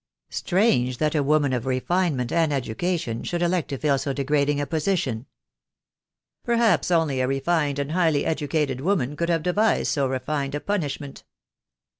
"Strange that a woman of refinement and education should elect to fill so degrading a position!" "Perhaps only a refined and highly educated woman could have devised so refined a punishment.